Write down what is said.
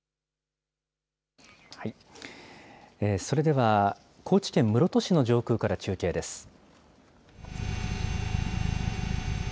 それでは、高知県室戸市の上空から中継です。